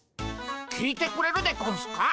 聞いてくれるでゴンスか？